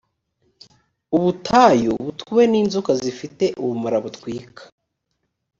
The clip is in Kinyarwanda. ubutayu butuwe n’inzoka zifite ubumara butwika,